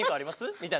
みたいな。